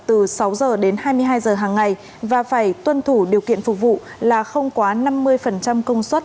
từ sáu h đến hai mươi hai giờ hàng ngày và phải tuân thủ điều kiện phục vụ là không quá năm mươi công suất